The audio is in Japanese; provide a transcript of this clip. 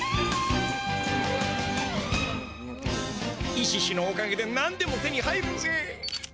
イシシのおかげでなんでも手に入るぜ。